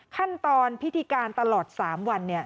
ขั้นตอนพิธีการตลอด๓วัน